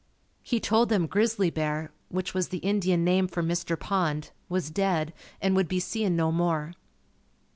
He told them Grizzly Bear, which was the Indian name for Mr. Pond, was dead and would be seen no more.